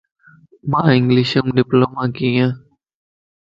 مان انگلشم ڊپلو ماڪين يَ